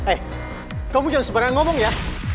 eh kamu jangan sebarang ngomong ya